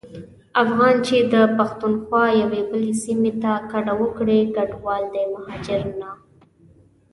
افغان چي د پښتونخوا یوې بلي سيمي ته کډه وکړي کډوال دی مهاجر نه.